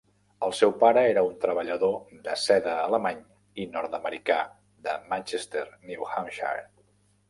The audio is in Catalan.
El seu pare era un treballador de seda alemany i nord-americà de Manchester, New Hampshire.